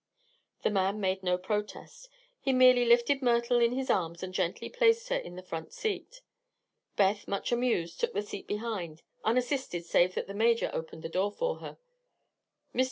The man made no protest. He merely lifted Myrtle in his arms and gently placed her in the front seat. Beth, much amused, took the seat behind, unassisted save that the Major opened the door for her. Mr.